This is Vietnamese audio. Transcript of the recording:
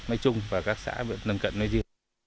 nơi trung và các xã nằm cận nơi dư